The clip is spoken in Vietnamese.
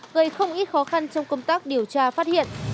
gây không ít khó khăn trong công tác điều tra phát hiện